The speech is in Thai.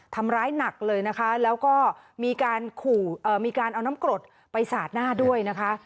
ทำร้ายหนักเลยนะคะแล้วก็มีการขู่มีการเอาน้ำกรดไปสาดหน้าด้วยนะคะ